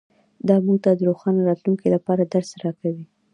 دا موږ ته د روښانه راتلونکي لپاره درس راکوي